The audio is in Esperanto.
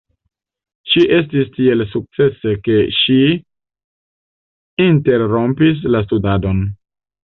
Ŝi estis tiel sukcese, ke ŝi interrompis la studadon.